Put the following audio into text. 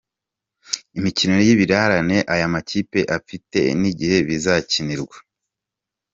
Imikino y’ibirarane aya makipe afite n’igihe bizakinirwa.